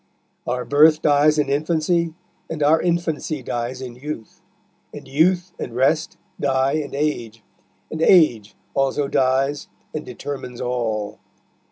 Our birth dies in infancy, and our infancy dies in youth, and youth and rest die in age, and age also dies and determines all.